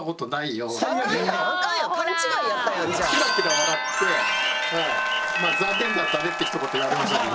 ケラケラ笑って残念だったねってひと言言われましたけど。